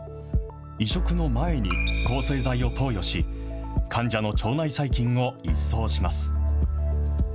移植の前に抗生剤を投与し、患者の腸内細菌を一掃します。